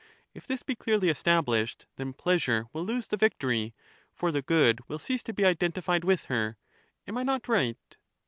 If this be clearly established, then pleasure will lose the victory, for the good will cease to be identified with her :— Am I not right